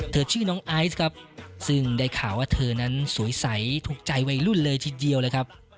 ชื่อน้องไอซ์ครับซึ่งได้ข่าวว่าเธอนั้นสวยใสถูกใจวัยรุ่นเลยทีเดียวเลยครับ